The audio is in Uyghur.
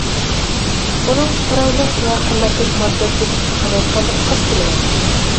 ئۇنىڭ چىرايلىق ۋە قىممەتلىك مارجان تىزىپ چىقالايدىغانلىقىغا ئىشىنىمەن.